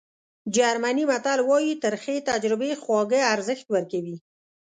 جرمني متل وایي ترخې تجربې خواږه ارزښت ورکوي.